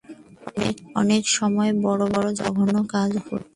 অনেক সময় বড় বড় জঘন্য কাজও করত।